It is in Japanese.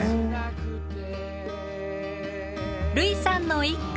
類さんの一句。